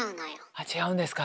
あっ違うんですか。